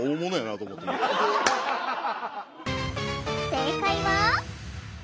正解は？